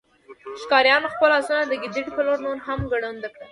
ښکاریانو خپل آسونه د ګیدړ په لور نور هم ګړندي کړل